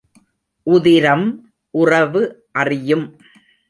உதிரம் உறவு அறியும்.